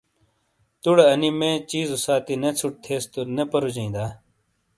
توڑے انی مے چیزو ساتی نے ژھُٹ تھیس تو نے پرُوجئیں دا؟